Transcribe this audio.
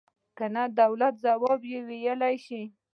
ګنې د دولت ځواب یې ویلای شو.